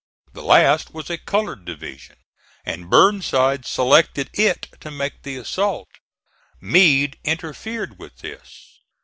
The last was a colored division; and Burnside selected it to make the assault. Meade interfered with this.